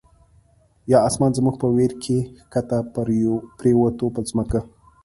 یا آسمان زموږ په ویر کی، ښکته پر یووته په ځمکه